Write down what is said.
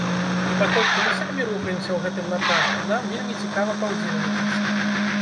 І паколькі мы самі рухаемся ў гэтым напрамку, нам вельмі цікава паўдзельнічаць.